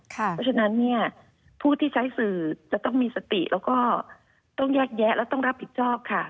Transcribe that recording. เพราะฉะนั้นเนี่ยผู้ที่ใช้สื่อจะต้องมีสติแล้วก็ต้องแยกแยะและต้องรับผิดชอบค่ะ